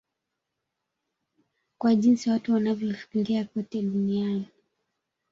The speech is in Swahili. kwa jinsi watu wanavyofikiria kote duniani